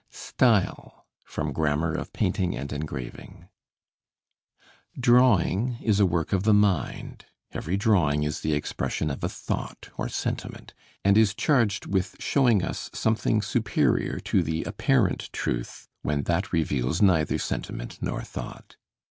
STYLE From 'Grammar of Painting and Engraving' Drawing is a work of the mind; every drawing is the expression of a thought or sentiment, and is charged with showing us something superior to the apparent truth when that reveals neither sentiment nor thought.